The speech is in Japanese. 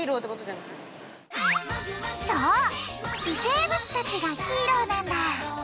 微生物たちがヒーローなんだ。